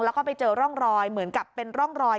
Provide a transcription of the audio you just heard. แล้วก็ไปเจอร่องรอยเหมือนกับเป็นร่องรอย